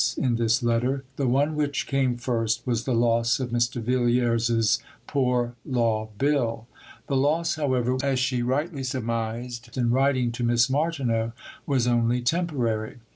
in this letter, the one which came first was the loss of Mr. Villiers's Poor Law Bill. The loss, however, as she rightly surmised in writing to Miss Martineau, was only temporary.